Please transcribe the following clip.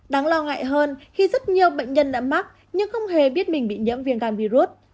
đáng lo ngại hơn khi rất nhiều bệnh nhân đã mắc nhưng không hề biết mình bị nhiễm viêm gan virus